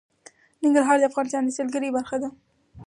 ننګرهار د افغانستان د سیلګرۍ برخه ده.